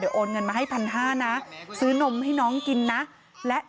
โอนเงินมาให้พันห้านะซื้อนมให้น้องกินนะและ